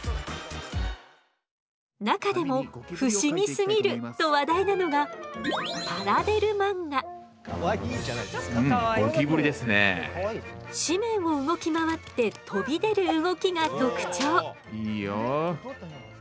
中でも「不思議すぎる！」と話題なのが紙面を動き回って飛び出る動きが特徴。